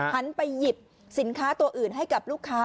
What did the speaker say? หันไปหยิบสินค้าตัวอื่นให้กับลูกค้า